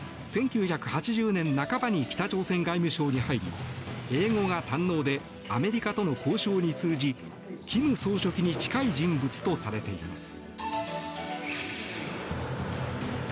１９８０年半ばに北朝鮮外務省に入り英語が堪能でアメリカとの交渉に通じ金総書記に近い人物とされています。